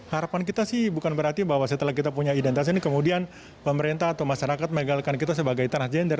harapan kita sih bukan berarti bahwa setelah kita punya identitas ini kemudian pemerintah atau masyarakat melegalkan kita sebagai tanah gender